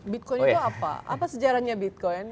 bitcoin itu apa apa sejarahnya bitcoin